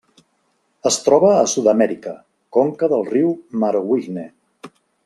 Es troba a Sud-amèrica: conca del riu Marowijne.